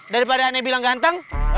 daripada aneh bilang ganteng